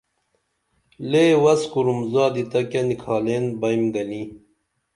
لے وس کُرُم زادی تہ کیہ نِکھالین بئمی گنی